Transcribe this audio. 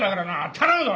頼むぞ！